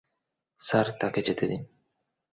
Sir, তাকে যেতে দিন।